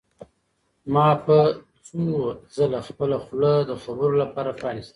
ما به څو ځله خپله خوله د خبرو لپاره پرانیسته.